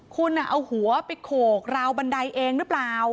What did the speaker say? คุณเอาหัวไปโขกราวบันไดเองหรือเปล่า